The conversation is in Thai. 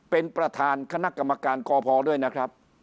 เป็นประธานคณะกรรมการกพด้วยนะครับ